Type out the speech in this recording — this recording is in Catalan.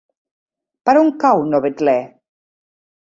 Per on cau Novetlè?